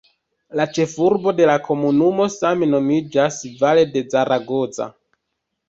La ĉefurbo de la komunumo same nomiĝas "Valle de Zaragoza".